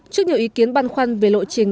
trước nhiều ý kiến băn khoăn về lộ trình